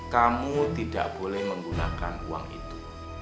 kamu tidak boleh menggunakan uang itu